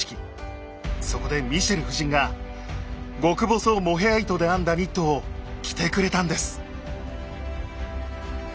そこでミシェル夫人が極細モヘア糸で編んだニットを着てくれたんです。